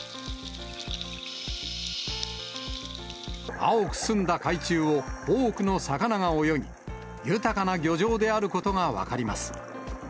青く澄んだ海中を多くの魚が泳ぎ、豊かな漁場であることが分かります。